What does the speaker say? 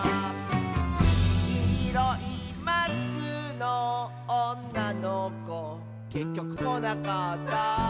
「きいろいマスクのおんなのこ」「けっきょくこなかった」